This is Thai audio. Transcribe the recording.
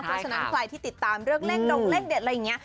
เพราะฉะนั้นใครที่ติดตามเรื่องเลขดงเลขเด็ดอะไรอย่างนี้